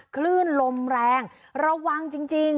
คลื่นลมแรงระวังจริง